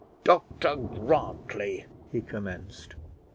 "Dr Grantly," he commenced.